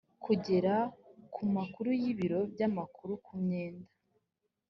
kugera ku makuru y ibiro by amakuru ku myenda